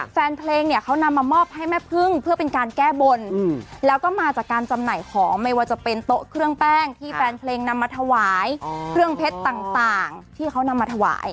แฟนเพลงเนี่ยเขานำมามอบให้แม่พึ่งเพื่อเป็นการแก้บนแล้วก็มาจากการจำหน่ายของไม่ว่าจะเป็นโต๊ะเครื่องแป้งที่แฟนเพลงนำมาถวายเครื่องเพชรต่างที่เขานำมาถวาย